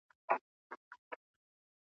اوښکي په بڼو چي مي پېیلې اوس یې نه لرم ,